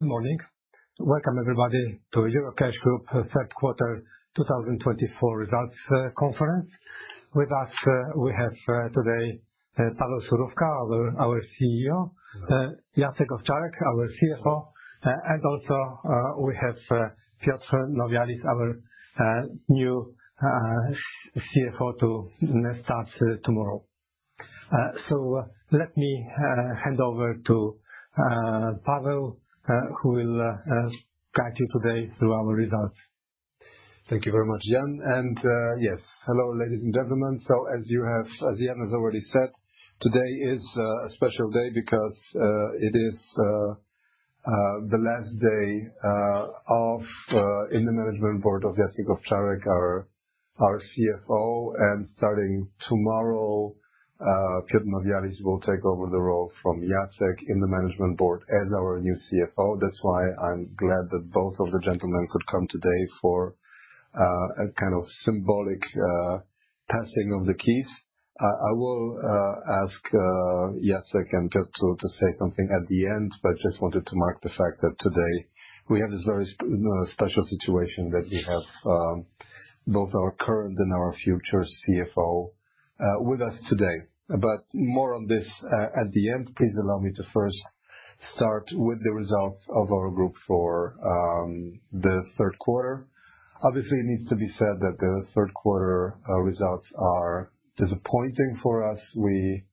Good morning. Welcome, everybody, to the Eurocash Group Q3 2024 Results Conference. With us we have today, Paweł Surówka our CEO, Jacek Owczarek, our CFO, and also we have Piotr Nowjalis, our new CFO, who starts tomorrow, so let me hand over to Paweł, who will guide you today through our results. Thank you very much, Jan. And yes, hello, ladies and gentlemen. So, as Jan has already said, today is a special day because it is the last day of the management board of Jacek Owczarek, our CFO. And starting tomorrow, Piotr Nowjalis will take over the role from Jacek in the management board as our new CFO. That's why I'm glad that both of the gentlemen could come today for a kind of symbolic passing of the keys. I will ask Jacek and Piotr to say something at the end, but just wanted to mark the fact that today we have this very special situation that we have both our current and our future CFO with us today. But more on this at the end. Please allow me to first start with the results of our group for the Q3. Obviously, it needs to be said that the Q3 results are disappointing for us. We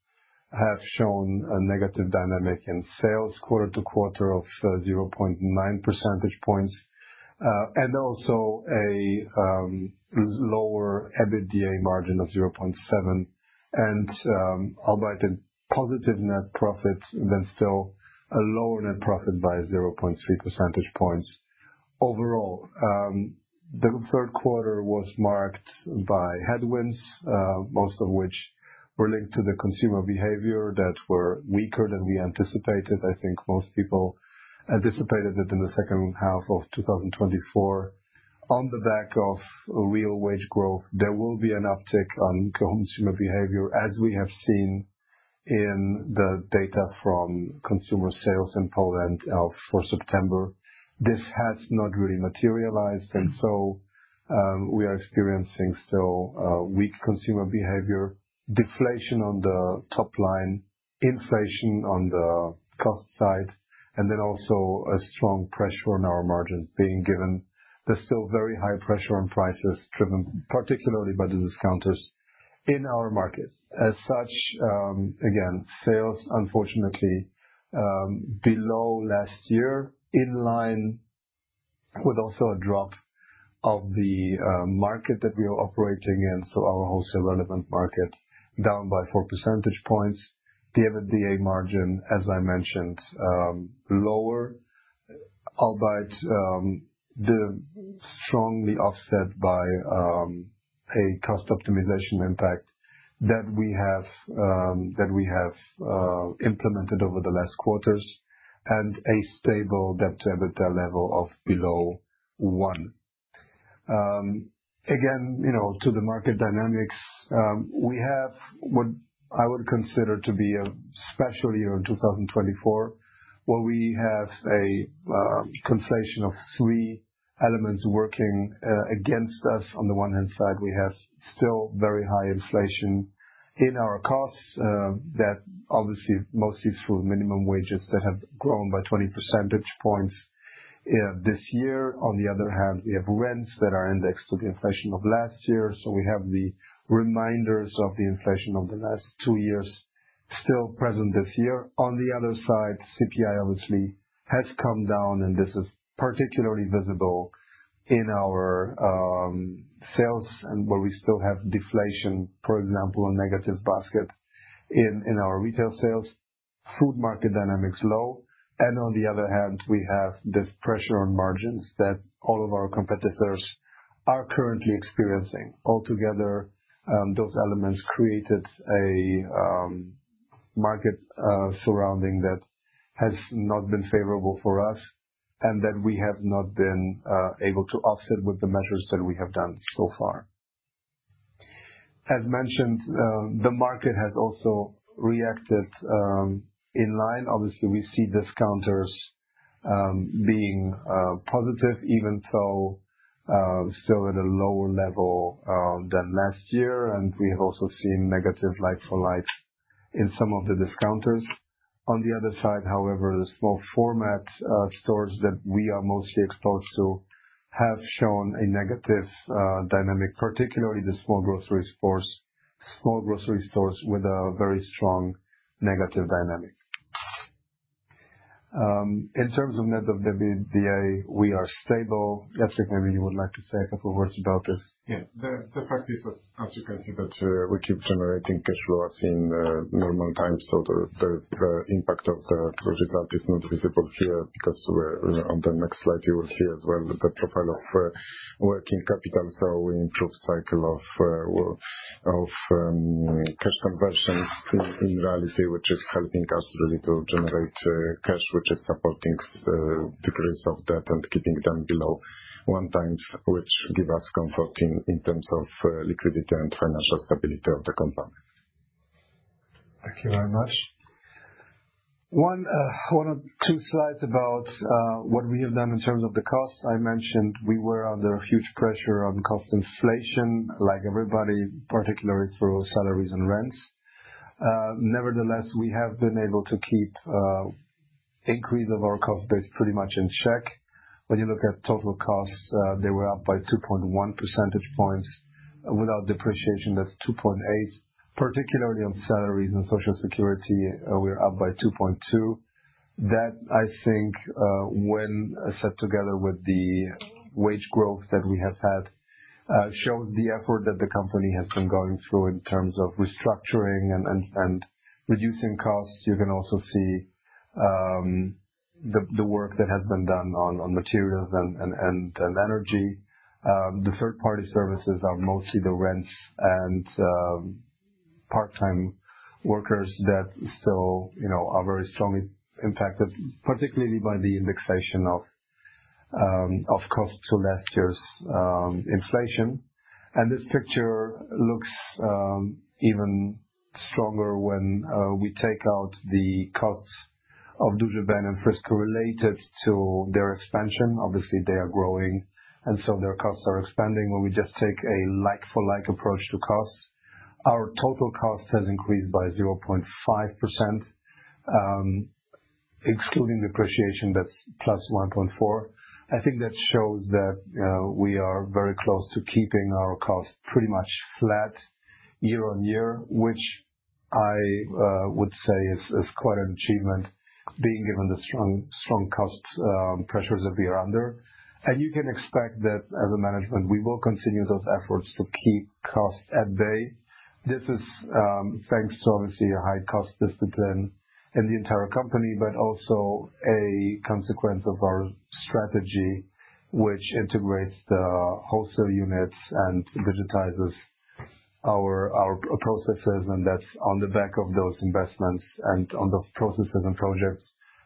have shown a negative dynamic in sales, quarter to quarter, of 0.9 percentage points, and also a lower EBITDA margin of 0.7, and albeit a positive net profit, but still a lower net profit by 0.3 percentage points. Overall, the Q3 was marked by headwinds, most of which were linked to the consumer behavior that were weaker than we anticipated. I think most people anticipated that in the H2 of 2024, on the back of real wage growth, there will be an uptick in consumer behavior, as we have seen in the data from consumer sales in Poland for September. This has not really materialized, and so we are experiencing still weak consumer behavior, deflation on the top line, inflation on the cost side, and then also a strong pressure on our margins, being given the still very high pressure on prices driven particularly by the discounters in our market. As such, again, sales, unfortunately, below last year, in line with also a drop of the market that we are operating in, so our wholesale relevant market, down by 4 percentage points. The EBITDA margin, as I mentioned, lower, albeit strongly offset by a cost optimization impact that we have implemented over the last quarters, and a stable debt-to-EBITDA level of below 1. Again, to the market dynamics, we have what I would consider to be a special year in 2024, where we have a conflation of three elements working against us. On the one hand side, we have still very high inflation in our costs, that obviously mostly through minimum wages that have grown by 20 percentage points this year. On the other hand, we have rents that are indexed to the inflation of last year, so we have the reminders of the inflation of the last two years still present this year. On the other side, CPI obviously has come down, and this is particularly visible in our sales, where we still have deflation, for example, a negative basket in our retail sales. Food market dynamics low, and on the other hand, we have this pressure on margins that all of our competitors are currently experiencing. Altogether, those elements created a market surrounding that has not been favorable for us, and that we have not been able to offset with the measures that we have done so far. As mentioned, the market has also reacted in line. Obviously, we see discounters being positive, even though still at a lower level than last year, and we have also seen negative like-for-likes in some of the discounters. On the other side, however, the small format stores that we are mostly exposed to have shown a negative dynamic, particularly the small grocery stores, small grocery stores with a very strong negative dynamic. In terms of net of EBITDA, we are stable. Jacek, maybe you would like to say a couple of words about this. Yeah, the fact is, as you can see, that we keep generating cash flow in normal times, so the impact of the result is not visible here, because on the next slide you will see as well the profile of working capital, so we improved cycle of cash conversions in reality, which is helping us really to generate cash, which is supporting decrease of debt and keeping them below one times, which give us comfort in terms of liquidity and financial stability of the company. Thank you very much. One or two slides about what we have done in terms of the costs. I mentioned we were under huge pressure on cost inflation, like everybody, particularly through salaries and rents. Nevertheless, we have been able to keep increase of our cost base pretty much in check. When you look at total costs, they were up by 2.1 percentage points. Without depreciation, that's 2.8. Particularly on salaries and social security, we're up by 2.2. That, I think, when set together with the wage growth that we have had, shows the effort that the company has been going through in terms of restructuring and reducing costs. You can also see the work that has been done on materials and energy. The third-party services are mostly the rents and part-time workers that still are very strongly impacted, particularly by the indexation of costs to last year's inflation. This picture looks even stronger when we take out the costs of Duży Ben and Frisco related to their expansion. Obviously, they are growing, and so their costs are expanding. When we just take a like-for-like approach to costs, our total cost has increased by 0.5%, excluding depreciation, that's plus 1.4%. I think that shows that we are very close to keeping our costs pretty much flat year on year, which I would say is quite an achievement, being given the strong cost pressures that we are under. You can expect that, as a management, we will continue those efforts to keep costs at bay. This is thanks to, obviously, a high cost discipline in the entire company, but also a consequence of our strategy, which integrates the wholesale units and digitizes our processes. That's on the back of those investments and on the processes and projects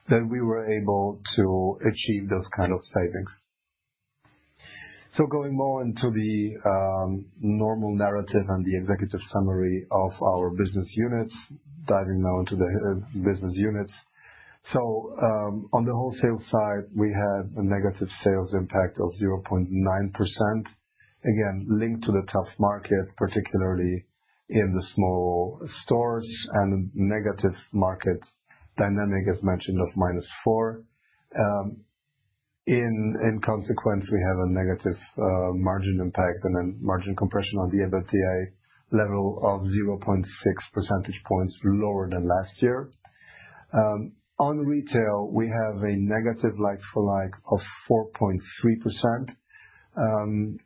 that we were able to achieve those kinds of savings. Going more into the normal narrative and the executive summary of our business units, diving now into the business units. On the wholesale side, we had a negative sales impact of 0.9%, again, linked to the tough market, particularly in the small stores, and a negative market dynamic, as mentioned, of minus 4%. In consequence, we have a negative margin impact and then margin compression on the EBITDA level of 0.6 percentage points lower than last year. On retail, we have a negative like-for-like of 4.3% and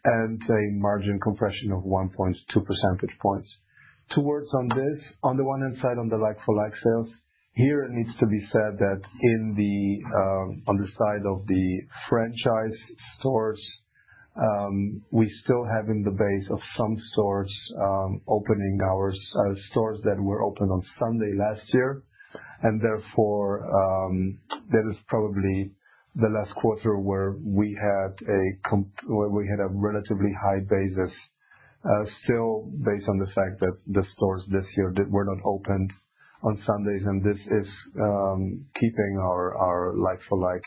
a margin compression of 1.2 percentage points. Two words on this. On the one hand side, on the like-for-like sales, here it needs to be said that on the side of the franchise stores, we still have in the base of some stores opening hours, stores that were open on Sunday last year, and therefore, that is probably the last quarter where we had a relatively high basis, still based on the fact that the stores this year were not opened on Sundays, and this is keeping our like-for-like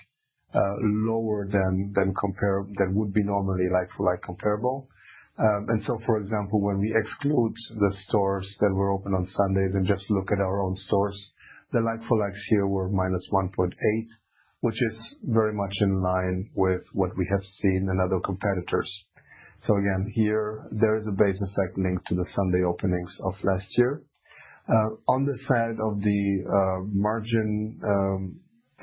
lower than would be normally like-for-like comparable, and so, for example, when we exclude the stores that were open on Sundays and just look at our own stores, the like-for-likes here were minus 1.8, which is very much in line with what we have seen in other competitors, so again, here there is a base effect linked to the Sunday openings of last year. On the side of the margin,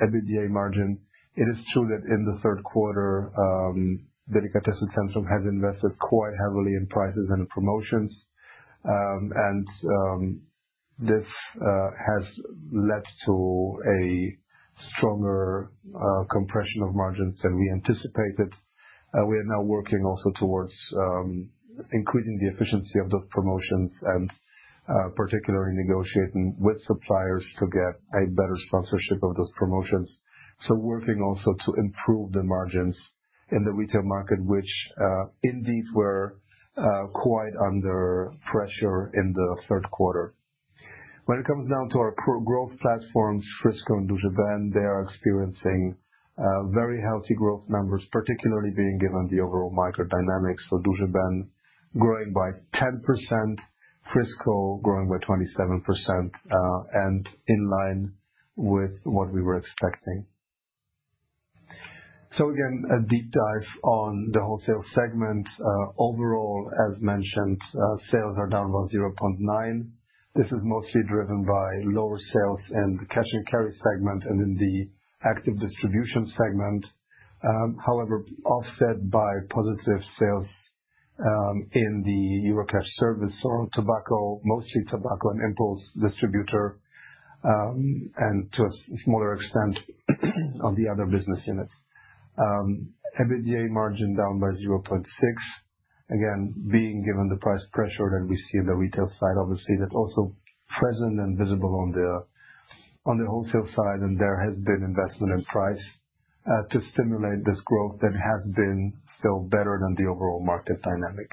EBITDA margin, it is true that in the Q3, Delicatessen Centrum has invested quite heavily in prices and promotions, and this has led to a stronger compression of margins than we anticipated. We are now working also towards increasing the efficiency of those promotions and particularly negotiating with suppliers to get a better sponsorship of those promotions, so working also to improve the margins in the retail market, which indeed were quite under pressure in the Q3. When it comes down to our growth platforms, Frisco and Dujevene, they are experiencing very healthy growth numbers, particularly being given the overall micro dynamics for Dujevene, growing by 10%, Frisco growing by 27%, and in line with what we were expecting, so again, a deep dive on the wholesale segment. Overall, as mentioned, sales are down by 0.9. This is mostly driven by lower sales in the Cash and Carry segment and in the Active Distribution segment. However, offset by positive sales in the Eurocash Service or tobacco, mostly tobacco and impulse distributor, and to a smaller extent on the other business units. EBITDA margin down by 0.6, again, being given the price pressure that we see in the retail side, obviously, that's also present and visible on the wholesale side, and there has been investment in price to stimulate this growth that has been still better than the overall market dynamic.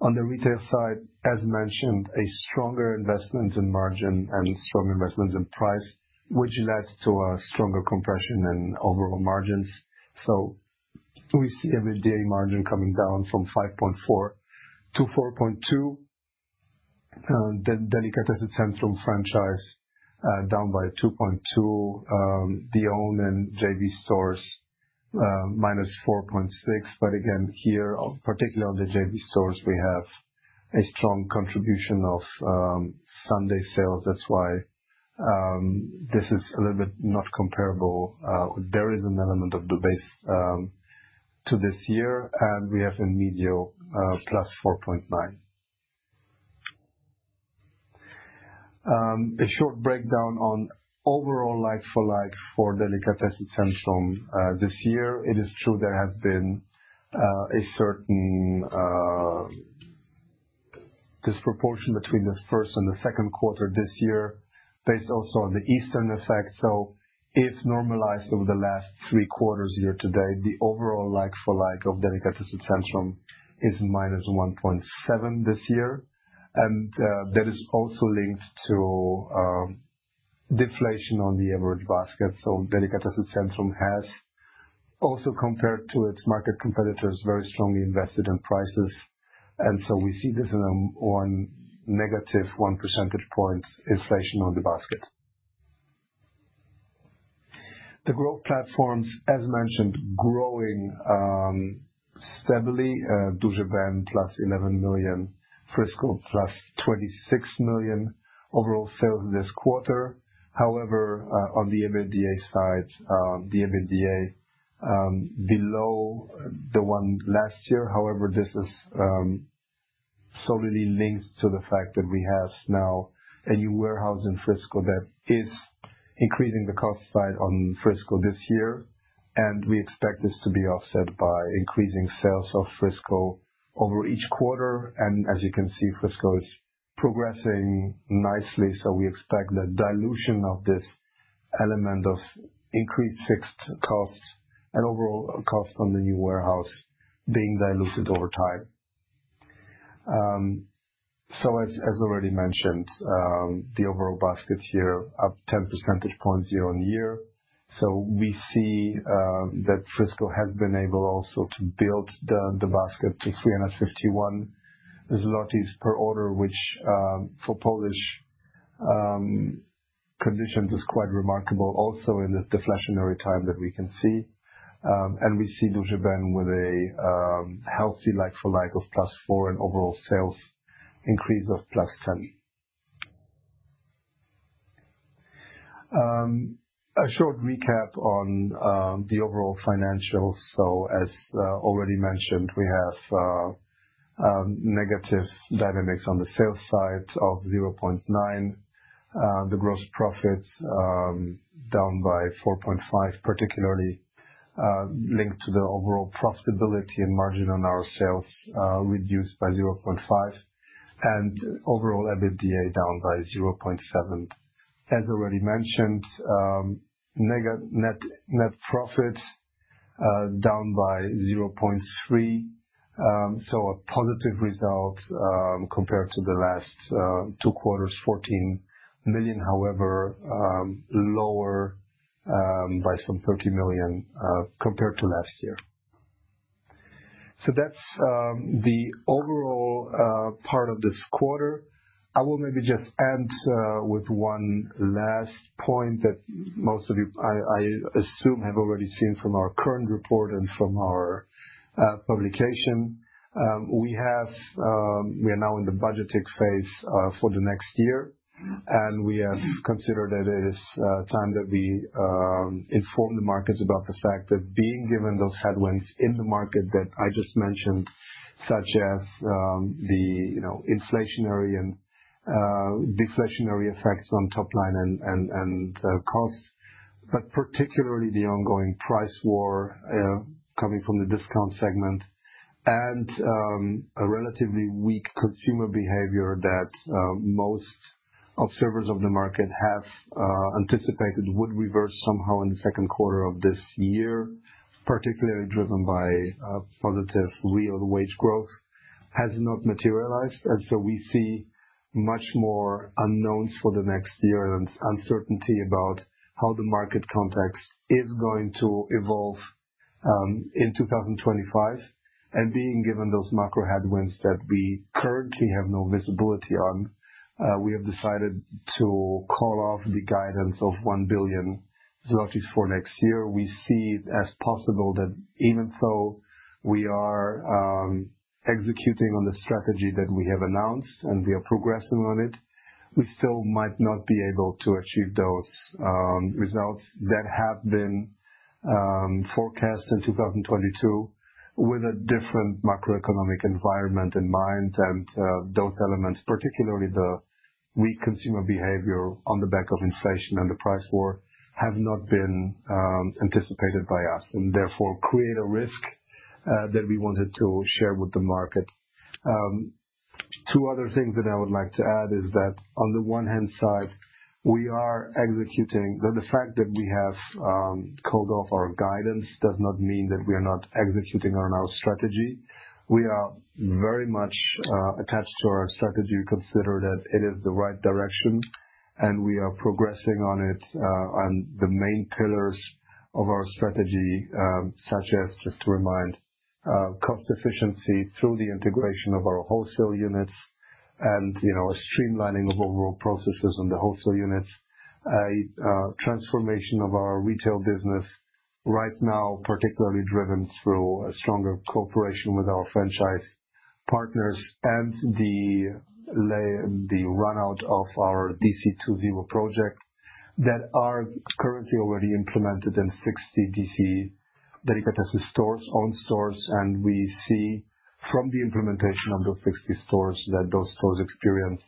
On the retail side, as mentioned, a stronger investment in margin and strong investments in price, which led to a stronger compression in overall margins. So we see EBITDA margin coming down from 5.4 to 4.2. Delicatessen Centrum franchise down by 2.2. The own and JV stores minus 4.6. But again, here, particularly on the JV stores, we have a strong contribution of Sunday sales. That's why this is a little bit not comparable. There is an element of the base to this year, and we have Inmedio plus 4.9. A short breakdown on overall like-for-like for Delicatessen Centrum this year. It is true there has been a certain disproportion between the first and the Q2 this year, based also on the Easter effect. So if normalized over the last three quarters year to date, the overall like-for-like of Delicatessen Centrum is minus 1.7 this year. And that is also linked to deflation on the average basket. So Delicatessen Centrum has also compared to its market competitors very strongly invested in prices. And so we see this in a negative one percentage point inflation on the basket. The growth platforms, as mentioned, growing steadily. Ben plus 11 million, Frisco plus 26 million overall sales this quarter. However, on the EBITDA side, the EBITDA below the one last year. However, this is solely linked to the fact that we have now a new warehouse in Frisco that is increasing the cost side on Frisco this year, and we expect this to be offset by increasing sales of Frisco over each quarter, and as you can see, Frisco is progressing nicely, so we expect the dilution of this element of increased fixed costs and overall costs on the new warehouse being diluted over time, so as already mentioned, the overall baskets here up 10 percentage points year on year, so we see that Frisco has been able also to build the basket to 351 zlotys per order, which for Polish conditions is quite remarkable, also in the deflationary time that we can see. We see Duży Ben with a healthy like-for-like of +4% and overall sales increase of +10%. A short recap on the overall financials. As already mentioned, we have negative dynamics on the sales side of -0.9%. The gross profits down by 4.5%, particularly linked to the overall profitability and margin on our sales reduced by 0.5%. Overall EBITDA down by 0.7%. As already mentioned, net profit down by 0.3%. A positive result compared to the last two quarters, 14 million. However, lower by some 30 million compared to last year. That's the overall part of this quarter. I will maybe just end with one last point that most of you, I assume, have already seen from our current report and from our publication. We are now in the budgeting phase for the next year, and we have considered that it is time that we inform the markets about the fact that being given those headwinds in the market that I just mentioned, such as the inflationary and deflationary effects on top line and costs, but particularly the ongoing price war coming from the discount segment, and a relatively weak consumer behavior that most observers of the market have anticipated would reverse somehow in the Q2 of this year, particularly driven by positive real wage growth, has not materialized. And so we see much more unknowns for the next year and uncertainty about how the market context is going to evolve in 2025. And being given those macro headwinds that we currently have no visibility on, we have decided to call off the guidance of 1 billion zlotys for next year. We see it as possible that even though we are executing on the strategy that we have announced and we are progressing on it, we still might not be able to achieve those results that have been forecast in 2022 with a different macroeconomic environment in mind. And those elements, particularly the weak consumer behavior on the back of inflation and the price war, have not been anticipated by us and therefore create a risk that we wanted to share with the market. Two other things that I would like to add is that on the one hand side, we are executing. The fact that we have called off our guidance does not mean that we are not executing on our strategy. We are very much attached to our strategy. We consider that it is the right direction, and we are progressing on it. The main pillars of our strategy, such as just to remind, cost efficiency through the integration of our wholesale units and a streamlining of overall processes on the wholesale units, transformation of our retail business right now, particularly driven through a stronger cooperation with our franchise partners, and the run-out of our DC2.0 project that are currently already implemented in 60 DC Delicatessen stores, own stores. And we see from the implementation of those 60 stores that those stores experience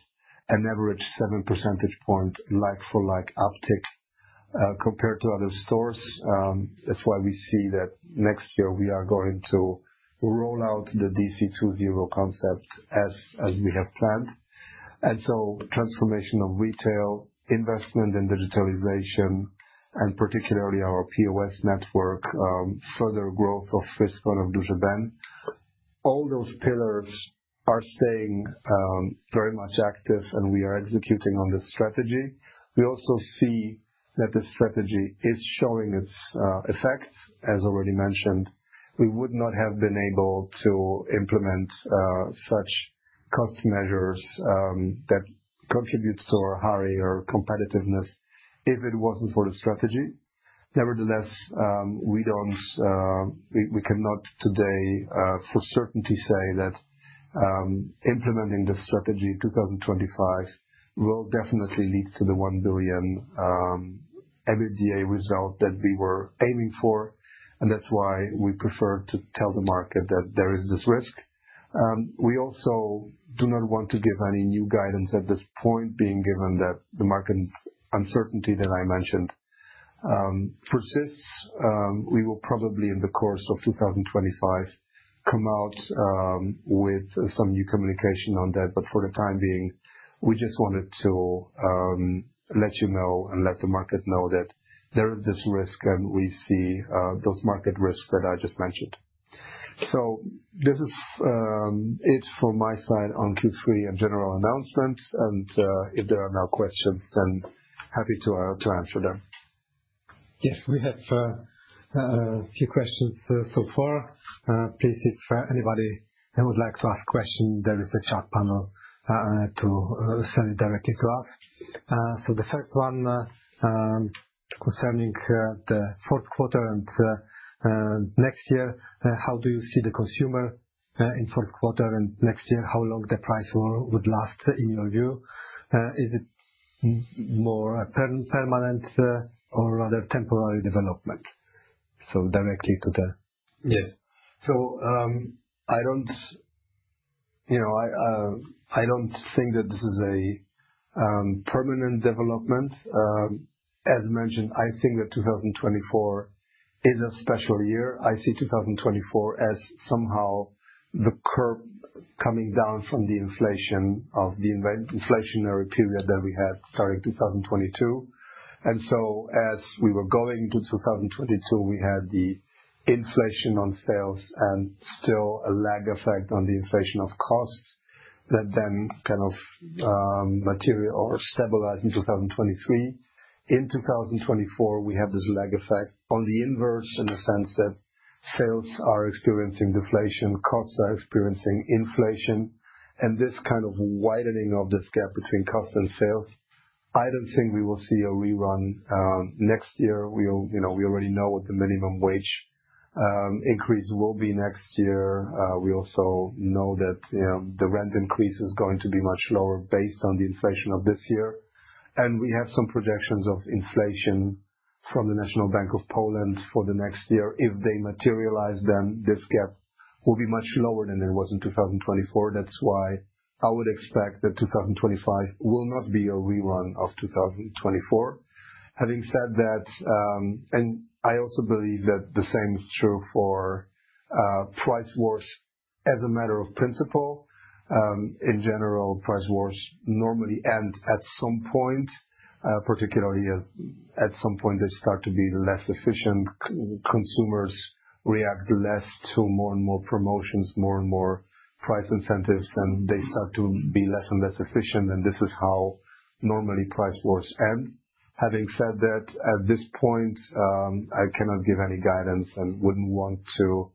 an average 7 percentage point like-for-like uptick compared to other stores. That's why we see that next year we are going to roll out the DC2.0 concept as we have planned. And so transformation of retail, investment in digitalization, and particularly our POS network, further growth of Frisco and of Dujevene. All those pillars are staying very much active, and we are executing on this strategy. We also see that this strategy is showing its effects. As already mentioned, we would not have been able to implement such cost measures that contribute to our higher competitiveness if it wasn't for the strategy. Nevertheless, we cannot today for certainty say that implementing this strategy in 2025 will definitely lead to the 1 billion EBITDA result that we were aiming for, and that's why we prefer to tell the market that there is this risk. We also do not want to give any new guidance at this point, being given that the market uncertainty that I mentioned persists. We will probably in the course of 2025 come out with some new communication on that, but for the time being, we just wanted to let you know and let the market know that there is this risk, and we see those market risks that I just mentioned. So this is it from my side on Q3 and general announcements. And if there are no questions, then happy to answer them. Yes, we have a few questions so far. Please, if anybody would like to ask a question, there is a chat panel to send it directly to us. So the first one concerning the Q4 and next year, how do you see the consumer in Q4 and next year? How long the price war would last in your view? Is it more permanent or rather temporary development? So directly to the. Yeah. So I don't think that this is a permanent development. As mentioned, I think that 2024 is a special year. I see 2024 as somehow the curve coming down from the inflation of the inflationary period that we had starting 2022. As we were going to 2022, we had the inflation on sales and still a lag effect on the inflation of costs that then kind of materialized in 2023. In 2024, we have this lag effect on the inverse in the sense that sales are experiencing deflation, costs are experiencing inflation, and this kind of widening of this gap between costs and sales. I don't think we will see a rerun next year. We already know what the minimum wage increase will be next year. We also know that the rent increase is going to be much lower based on the inflation of this year. We have some projections of inflation from the National Bank of Poland for the next year. If they materialize, then this gap will be much lower than it was in 2024. That's why I would expect that 2025 will not be a rerun of 2024. Having said that, and I also believe that the same is true for price wars as a matter of principle. In general, price wars normally end at some point, particularly at some point they start to be less efficient. Consumers react less to more and more promotions, more and more price incentives, and they start to be less and less efficient. And this is how normally price wars end. Having said that, at this point, I cannot give any guidance and wouldn't want to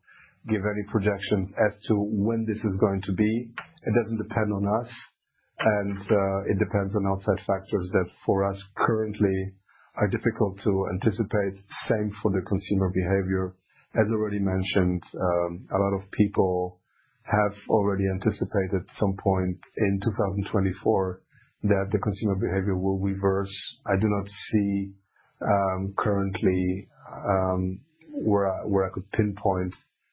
give any projections as to when this is going to be. It doesn't depend on us, and it depends on outside factors that for us currently are difficult to anticipate. Same for the consumer behavior. As already mentioned, a lot of people have already anticipated at some point in 2024 that the consumer behavior will reverse. I do not see currently where I could pinpoint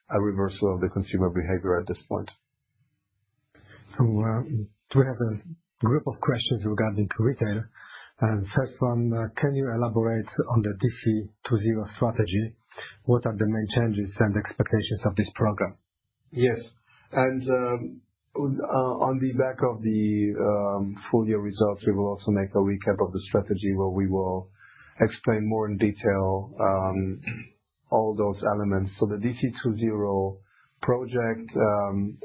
a reversal of the consumer behavior at this point. So we have a group of questions regarding retail. First one, can you elaborate on the DC2.0 strategy? What are the main changes and expectations of this program? Yes. And on the back of the full year results, we will also make a recap of the strategy where we will explain more in detail all those elements. So the DC2.0 project,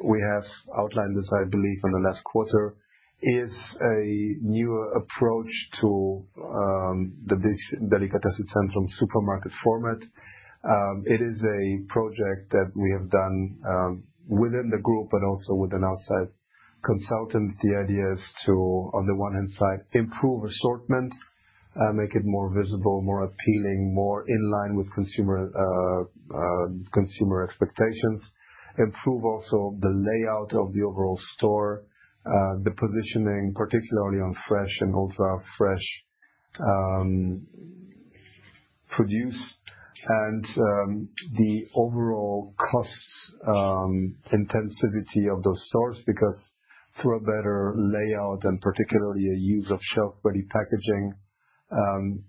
we have outlined this, I believe, in the last quarter, is a newer approach to the Delicatessen Centrum supermarket format. It is a project that we have done within the group, but also with an outside consultant. The idea is to, on the one hand side, improve assortment, make it more visible, more appealing, more in line with consumer expectations, improve also the layout of the overall store, the positioning, particularly on fresh and ultra fresh produce, and the overall cost intensity of those stores because through a better layout and particularly a use of shelf-ready packaging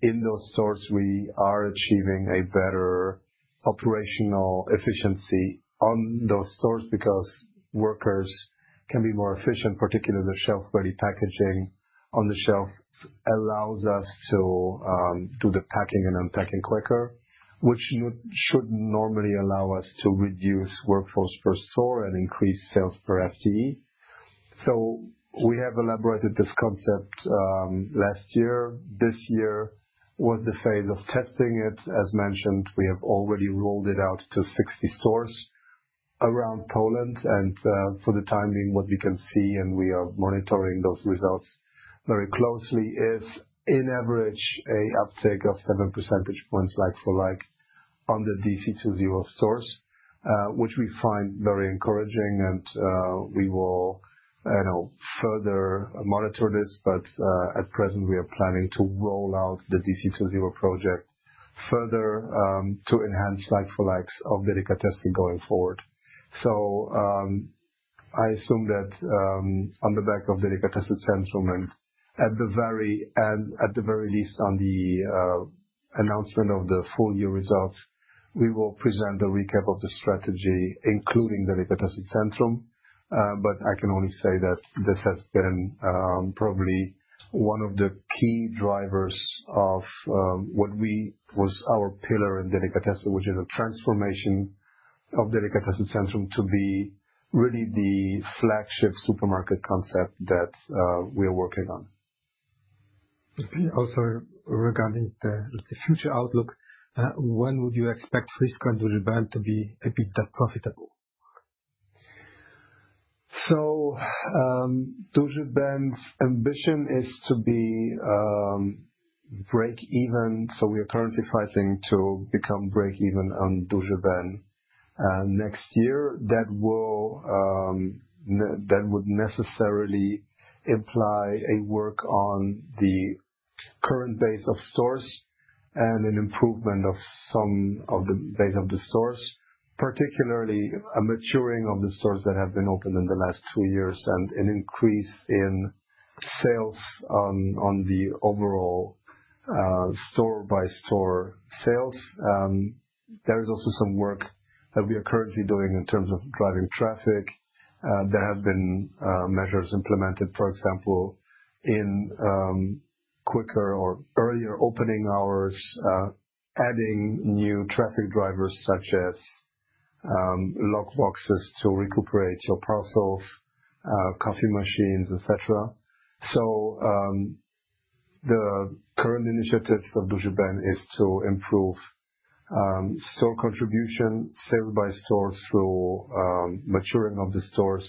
in those stores, we are achieving a better operational efficiency on those stores because workers can be more efficient, particularly the shelf-ready packaging on the shelf allows us to do the packing and unpacking quicker, which should normally allow us to reduce workforce per store and increase sales per FTE. So we have elaborated this concept last year. This year was the phase of testing it. As mentioned, we have already rolled it out to 60 stores around Poland. And for the time being, what we can see, and we are monitoring those results very closely, is on average an uptick of seven percentage points like-for-like on the DC2.0 stores, which we find very encouraging. And we will further monitor this. But at present, we are planning to roll out the DC2.0 project further to enhance like-for-likes of Delicatessen going forward. So I assume that on the back of Delicatessen Centrum and at the very least on the announcement of the full year results, we will present a recap of the strategy, including Delicatessen Centrum. But I can only say that this has been probably one of the key drivers of what was our pillar in Delicatessen, which is a transformation of Delicatessen Centrum to be really the flagship supermarket concept that we are working on. Also, regarding the future outlook, when would you expect Frisco and Duży Ben to be a bit less profitable? So Duży Ben's ambition is to be break even. So we are currently fighting to become break even on Duży Ben next year. That would necessarily imply a work on the current base of stores and an improvement of some of the base of the stores, particularly a maturing of the stores that have been opened in the last two years and an increase in sales on the overall store-by-store sales. There is also some work that we are currently doing in terms of driving traffic. There have been measures implemented, for example, in quicker or earlier opening hours, adding new traffic drivers such as lock boxes to recuperate your parcels, coffee machines, etc. The current initiatives of Duży Ben are to improve store contribution, sales by store through maturing of the stores,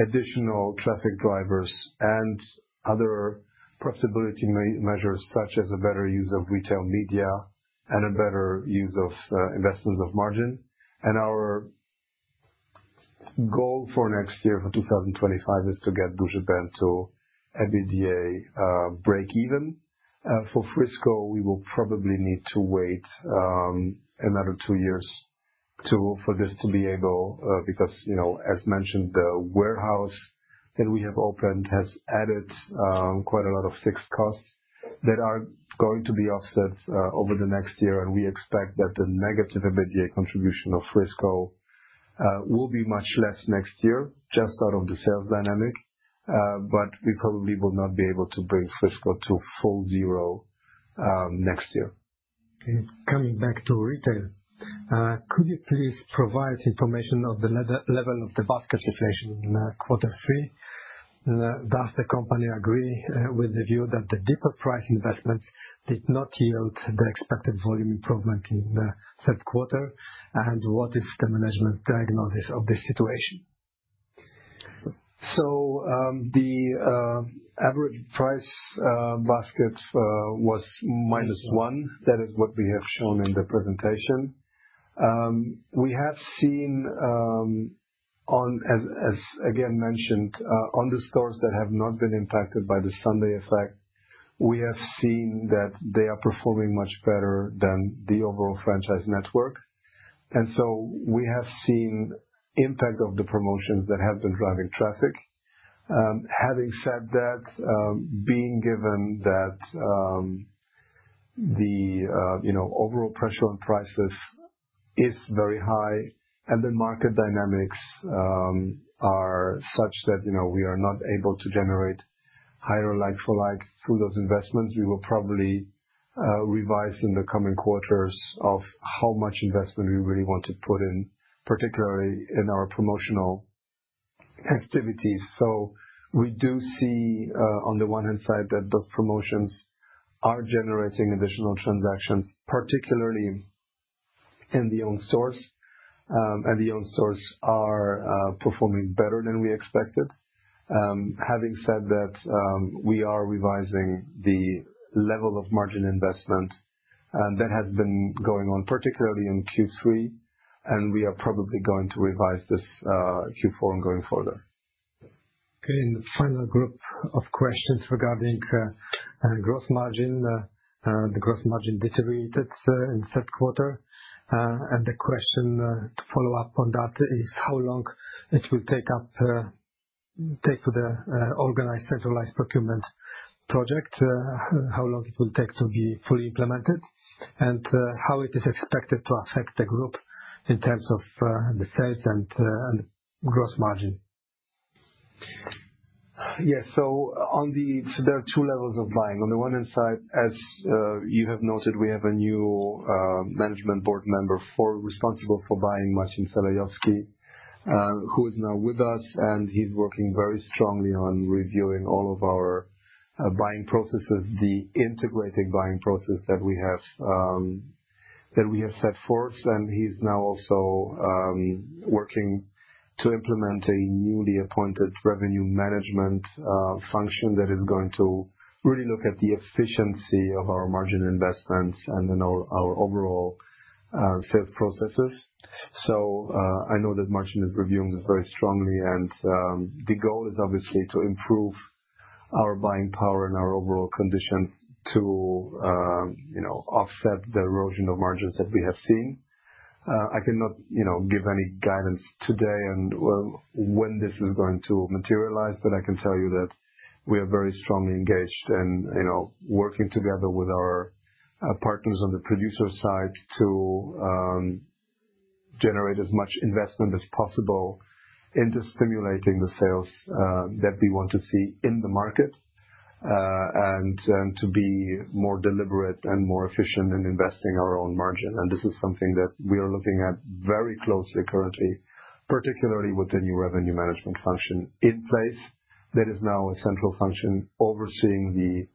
additional traffic drivers, and other profitability measures such as a better use of retail media and a better use of investments of margin. Our goal for next year, for 2025, is to get Duży Ben to EBITDA break even. For Frisco, we will probably need to wait another two years for this to be able because, as mentioned, the warehouse that we have opened has added quite a lot of fixed costs that are going to be offset over the next year. We expect that the negative EBITDA contribution of Frisco will be much less next year, just out of the sales dynamic. We probably will not be able to bring Frisco to full zero next year. Okay. Coming back to retail, could you please provide information on the level of the basket inflation in quarter three? Does the company agree with the view that the deeper price investments did not yield the expected volume improvement in the Q3? And what is the management diagnosis of this situation? So the average price basket was -1. That is what we have shown in the presentation. We have seen, as again mentioned, on the stores that have not been impacted by the Sunday effect, we have seen that they are performing much better than the overall franchise network. And so we have seen impact of the promotions that have been driving traffic. Having said that, being given that the overall pressure on prices is very high and the market dynamics are such that we are not able to generate higher like-for-like through those investments, we will probably revise in the coming quarters how much investment we really want to put in, particularly in our promotional activities. So we do see on the one hand side that those promotions are generating additional transactions, particularly in the own stores. And the own stores are performing better than we expected. Having said that, we are revising the level of margin investment that has been going on, particularly in Q3. And we are probably going to revise this Q4 and going further. Okay. And the final group of questions regarding gross margin. The gross margin deteriorated in the Q3. The question to follow up on that is how long it will take to organize centralized procurement project, how long it will take to be fully implemented, and how it is expected to affect the group in terms of the sales and gross margin. Yes. There are two levels of buying. On the one hand side, as you have noted, we have a new management board member responsible for buying, Marcin Selejowski, who is now with us. He's working very strongly on reviewing all of our buying processes, the integrated buying process that we have set forth. He's now also working to implement a newly appointed revenue management function that is going to really look at the efficiency of our margin investments and then our overall sales processes. I know that Marcin is reviewing this very strongly. The goal is obviously to improve our buying power and our overall conditions to offset the erosion of margins that we have seen. I cannot give any guidance today on when this is going to materialize, but I can tell you that we are very strongly engaged and working together with our partners on the producer side to generate as much investment as possible into stimulating the sales that we want to see in the market and to be more deliberate and more efficient in investing our own margin. This is something that we are looking at very closely currently, particularly with the new revenue management function in place that is now a central function overseeing the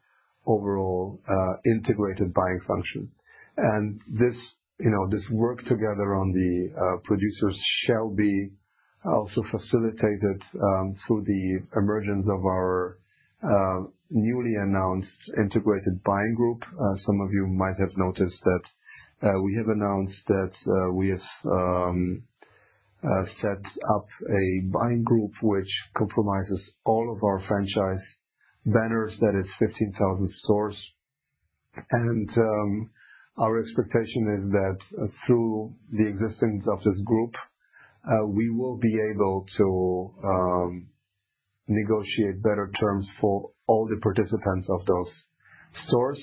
overall integrated buying function. This work together on the producers shall be also facilitated through the emergence of our newly announced integrated buying group. Some of you might have noticed that we have announced that we have set up a buying group which comprises all of our franchise banners. That is 15,000 stores, and our expectation is that through the existence of this group, we will be able to negotiate better terms for all the participants of those stores.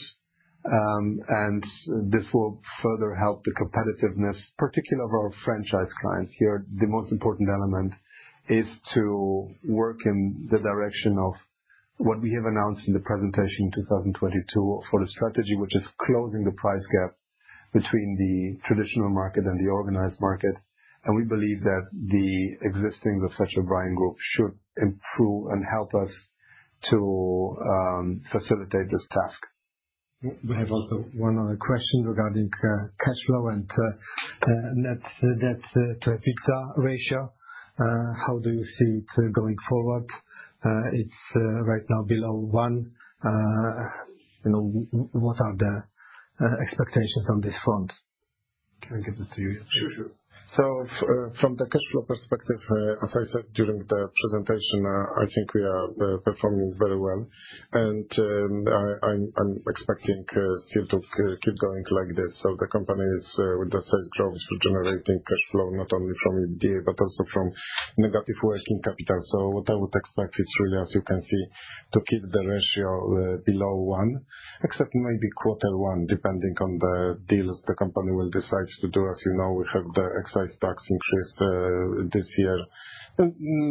And this will further help the competitiveness, particularly of our franchise clients here. The most important element is to work in the direction of what we have announced in the presentation in 2022 for the strategy, which is closing the price gap between the traditional market and the organized market, and we believe that the existence of such a buying group should improve and help us to facilitate this task. We have also one other question regarding cash flow and net to EBITDA ratio. How do you see it going forward? It's right now below one. What are the expectations on this front? Can I get this to you? Sure, sure. So from the cash flow perspective, as I said during the presentation, I think we are performing very well. And I'm expecting to keep going like this. So the company is, with the sales growth, generating cash flow not only from EBITDA, but also from negative working capital. So what I would expect is really, as you can see, to keep the ratio below one, except maybe quarter one, depending on the deals the company will decide to do. As you know, we have the excise tax increase this year,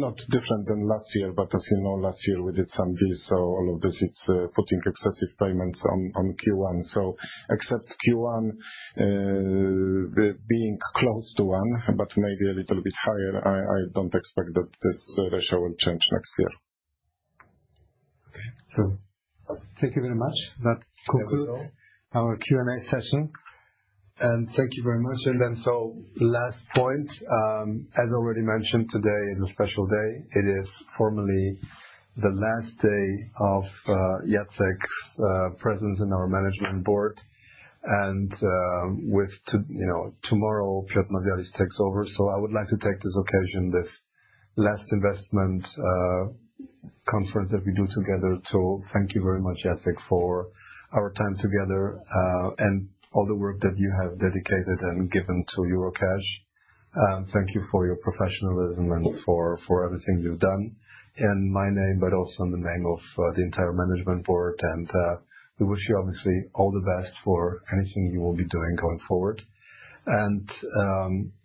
not different than last year. But as you know, last year we did some deals. So all of this, it's putting excessive payments on Q1. So except Q1 being close to one, but maybe a little bit higher, I don't expect that this ratio will change next year. Okay. So thank you very much. That concludes our Q&A session. And thank you very much. And then so last point, as already mentioned, today is a special day. It is formally the last day of Jacek's presence in our management board. And with tomorrow, Piotr Nowjalis takes over. So I would like to take this occasion, this last investment conference that we do together, to thank you very much, Jacek, for our time together and all the work that you have dedicated and given to Eurocash. Thank you for your professionalism and for everything you've done in my name, but also in the name of the entire management board. And we wish you, obviously, all the best for anything you will be doing going forward. And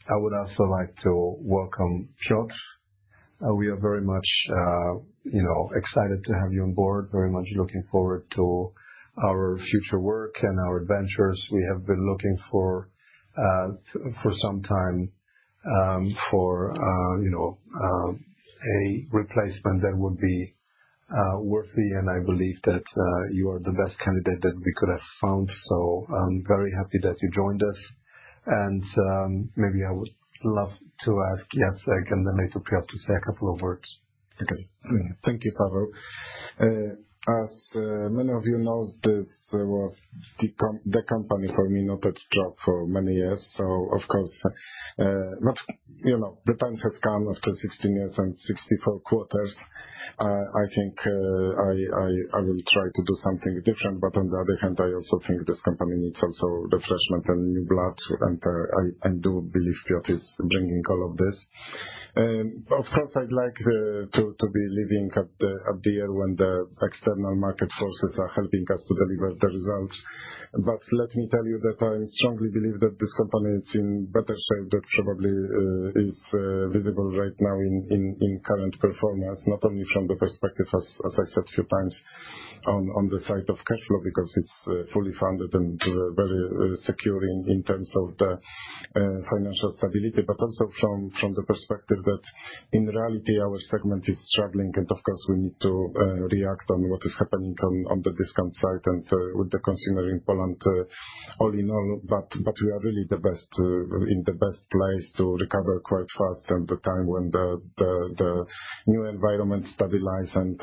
I would also like to welcome Piotr. We are very much excited to have you on board, very much looking forward to our future work and our adventures. We have been looking for some time for a replacement that would be worthy. And I believe that you are the best candidate that we could have found. So I'm very happy that you joined us. And maybe I would love to ask Jacek and then later Piotr to say a couple of words. Okay. Thank you, Paweł. As many of you know, the company for me not had a job for many years. So of course, the time has come after 16 years and 64 quarters. I think I will try to do something different. But on the other hand, I also think this company needs also refreshment and new blood. I do believe Piotr is bringing all of this. Of course, I'd like to be living at the year when the external market forces are helping us to deliver the results. But let me tell you that I strongly believe that this company is in better shape than probably is visible right now in current performance, not only from the perspective, as I said a few times, on the side of cash flow because it's fully funded and very secure in terms of the financial stability, but also from the perspective that in reality, our segment is struggling. Of course, we need to react on what is happening on the discount side and with the consumer in Poland, all in all. But we are really in the best place to recover quite fast in the time when the new environment stabilizes and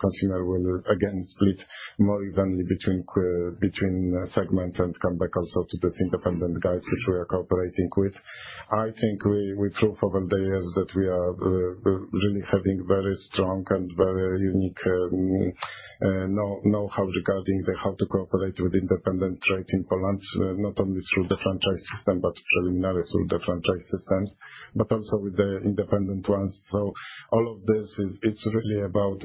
consumer will again split more evenly between segments and come back also to these independent guys which we are cooperating with. I think we proved over the years that we are really having very strong and very unique know-how regarding how to cooperate with independent trade in Poland, not only through the franchise system, but primarily through the franchise systems, but also with the independent ones. So all of this, it's really about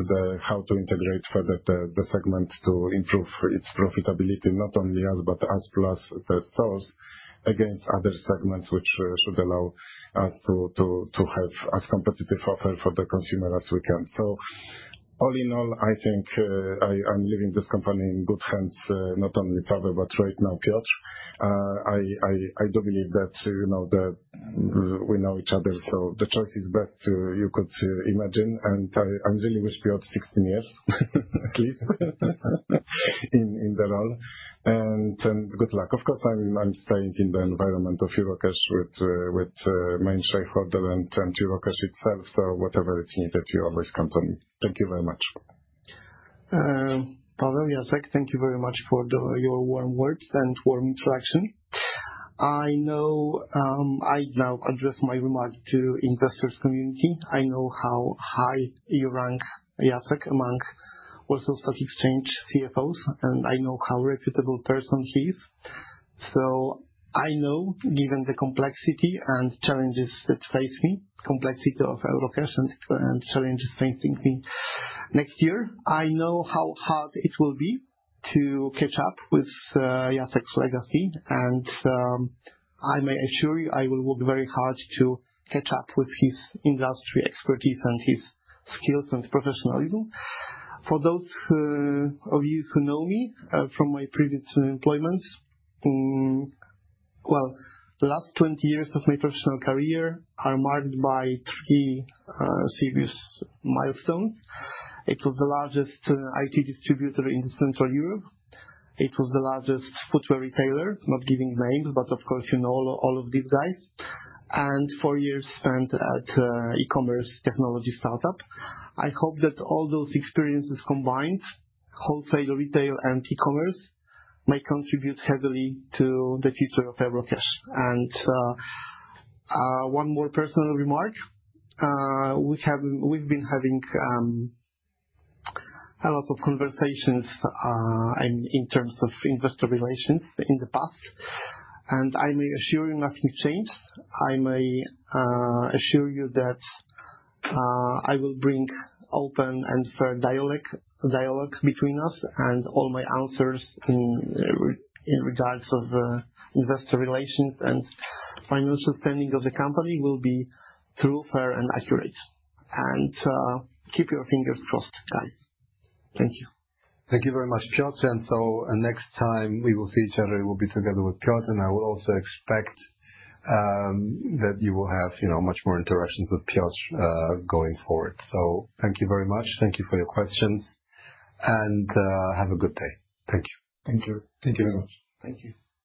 how to integrate further the segment to improve its profitability, not only us, but us plus the stores against other segments which should allow us to have as competitive offer for the consumer as we can. So all in all, I think I'm leaving this company in good hands, not only Paweł, but right now, Piotr. I do believe that we know each other. So the best choice you could imagine. I really wish Piotr at least 16 years in the role. Good luck. Of course, I'm staying in the environment of Eurocash with main shareholder and Eurocash itself. So whatever is needed, you always come to me. Thank you very much. Paweł, Jacek, thank you very much for your warm words and warm introduction. I now address my remarks to the investors' community. I know how highly you rank, Jacek, among Warsaw Stock Exchange CFOs. I know what a reputable person he is. Given the complexity and challenges that face me, the complexity of Eurocash and the challenges facing me next year, I know how hard it will be to catch up with Jacek's legacy. And I may assure you I will work very hard to catch up with his industry expertise and his skills and professionalism. For those of you who know me from my previous employment, well, the last 20 years of my professional career are marked by three serious milestones. It was the largest IT distributor in Central Europe. It was the largest footwear retailer, not giving names, but of course, you know all of these guys. And four years spent at an e-commerce technology startup. I hope that all those experiences combined, wholesale, retail, and e-commerce, may contribute heavily to the future of Eurocash. And one more personal remark. We've been having a lot of conversations in terms of investor relations in the past. And I may assure you nothing changed. I may assure you that I will bring open and fair dialogue between us. And all my answers in regards to investor relations and financial standing of the company will be true, fair, and accurate. And keep your fingers crossed, guys. Thank you. Thank you very much, Piotr. And so next time we will see each other, it will be together with Piotr. And I will also expect that you will have much more interactions with Piotr going forward. So thank you very much. Thank you for your questions. And have a good day. Thank you. Thank you. Thank you very much. Thank you.